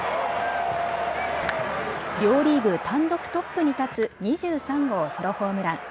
両リーグ単独トップに立つ２３号ソロホームラン。